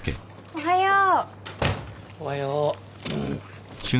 おはよう。